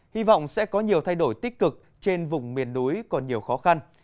hy vọng sẽ có nhiều thay đổi tích cực trên vùng miền núi còn nhiều khó khăn